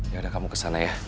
yaudah kamu kesana ya